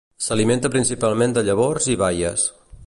S'alimenta principalment de llavors i baies.